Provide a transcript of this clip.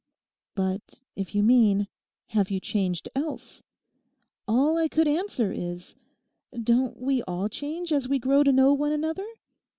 But if you mean, Have you changed else? All I could answer is, Don't we all change as we grow to know one another?